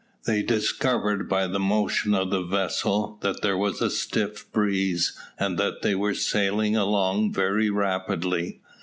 They discovered by the motion of the vessel, that there was a stiff breeze, and that they were sailing along very rapidly.